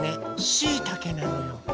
しいたけなのよ。